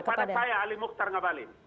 kepada saya ali mukhtar ngabalin